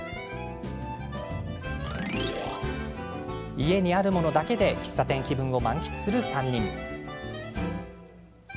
家にあるものだけで喫茶店気分を満喫する３人。